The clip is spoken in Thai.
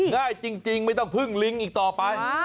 ง่ายจริงไม่ต้องพึ่งลิงอีกต่อไป